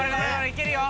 行けるよ！